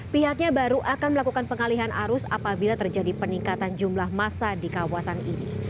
pihaknya baru akan melakukan pengalihan arus apabila terjadi peningkatan jumlah masa di kawasan ini